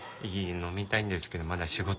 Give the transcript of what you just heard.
飲みたいんですけどまだ仕事が。